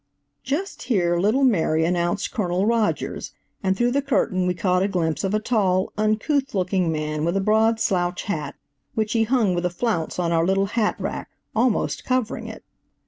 Just here little Mary announced Colonel Rogers, and through the curtain we caught a glimpse of a tall, uncouth looking man, with a broad slouch hat, which he hung with a flounce on our little hat rack, almost covering it.